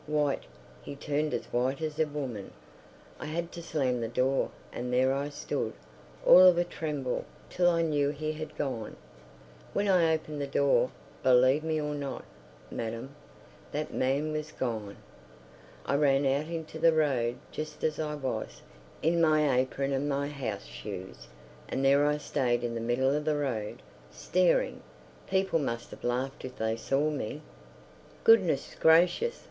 White! he turned as white as a woman. I had to slam the door, and there I stood, all of a tremble, till I knew he had gone. When I opened the door—believe me or not, madam—that man was gone! I ran out into the road just as I was, in my apron and my house shoes, and there I stayed in the middle of the road... staring. People must have laughed if they saw me.... ... Goodness gracious!